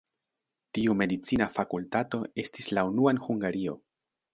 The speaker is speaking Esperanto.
Tiu medicina fakultato estis la unua en Hungario.